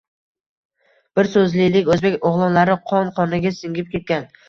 Bir so‘zlilik o‘zbek o‘g‘lonlari qon-qoniga singib ketgan.